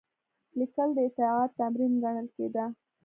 لیکل د اطاعت تمرین ګڼل کېده.